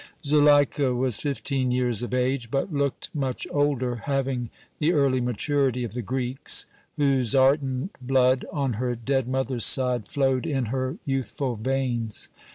Zuleika was fifteen years of age, but looked much older, having the early maturity of the Greeks, whose ardent blood, on her dead mother's side, flowed in her youthful veins.